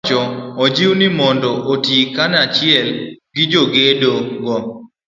piny owacho ojiw ni mondo oti kanachiel gi jogedo go.